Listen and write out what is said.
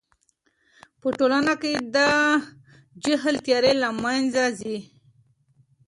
په ټولنه کې د جهل تیارې له منځه ځي.